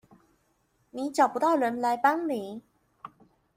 你找不到人來幫你